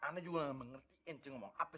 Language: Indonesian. ana juga gak mengerti ente ngomong apa